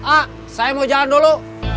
a saya mau jalan dulu